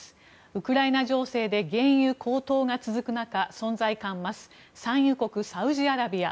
ウクライナ情勢で原油高騰が続く中存在感増す産油国サウジアラビア。